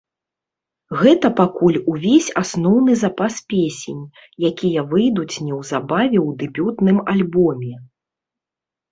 Гэта пакуль увесь асноўны запас песень, якія выйдуць неўзабаве ў дэбютным альбоме.